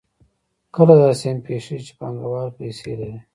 کله داسې هم پېښېږي چې پانګوال پیسې لري